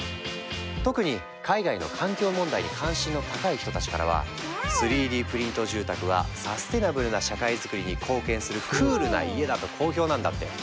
特に海外の環境問題に関心の高い人たちからは３Ｄプリント住宅はサステナブルな社会づくりに貢献するクールな家だと好評なんだって。